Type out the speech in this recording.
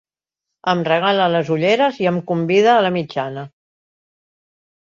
Em regala les ulleres i em convida a la mitjana.